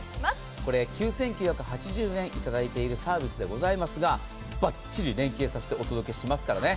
これ、９９８０円いただいているサービスですがバッチリ連携させてお届けしますからね。